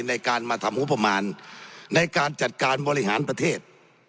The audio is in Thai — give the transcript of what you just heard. ในการมาทำงบประมาณในการจัดการบริหารประเทศ